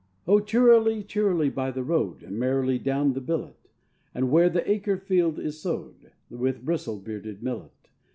O cheerly, cheerly by the road And merrily down the billet; And where the acre field is sowed With bristle bearded millet.